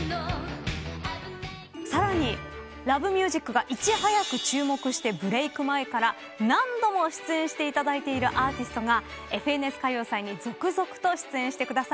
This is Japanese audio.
さらに『Ｌｏｖｅｍｕｓｉｃ』がいち早く注目してブレーク前から何度も出演していただいているアーティストが『ＦＮＳ歌謡祭』に続々と出演してくださいます。